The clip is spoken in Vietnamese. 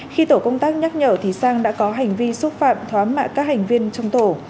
khi tổ công tác nhắc nhở thì sang đã có hành vi xúc phạm thám mạ các hành viên trong tổ